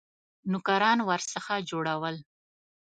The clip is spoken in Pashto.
نوکران ورڅخه جوړول.